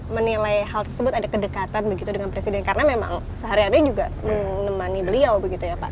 menilai hal tersebut ada kedekatan begitu dengan presiden karena memang sehari hari juga menemani beliau begitu ya pak